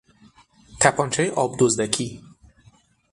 تپانچهی آب دزدکی